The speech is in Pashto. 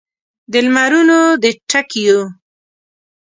د لمرونو د ټکېو